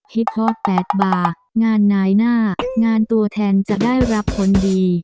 ให้พ่อ๘บางานนายหน้างานตัวแทนจะได้รับผลดี